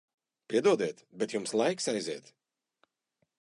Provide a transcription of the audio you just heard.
Piedodiet, bet jums laiks aiziet.